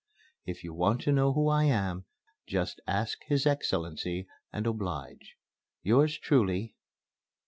If you want to know who I am, just ask his Excellency, and oblige, Yours truly